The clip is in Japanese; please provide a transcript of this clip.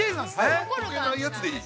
◆溶けないやつでいい？